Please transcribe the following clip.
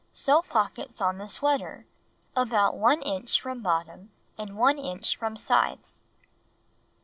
Sew pockets on the sweater, about 1 inch from bottom and 1 inch from sides.